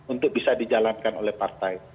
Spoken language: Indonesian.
untuk bisa dijalankan oleh partai